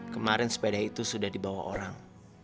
kemarin sepeda itu sudah dibawa orang